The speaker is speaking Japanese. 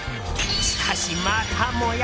しかし、またもや。